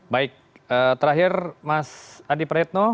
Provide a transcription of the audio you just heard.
baik terakhir mas adi praetno